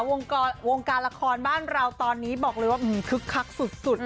วงการละครบ้านเราตอนนี้บอกเลยว่าคึกคักสุด